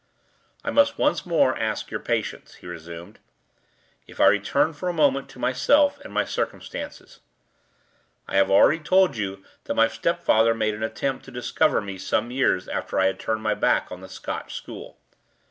"I must once more ask your patience," he resumed, "if I return for a moment to myself and my circumstances. I have already told you that my stepfather made an attempt to discover me some years after I had turned my back on the Scotch school.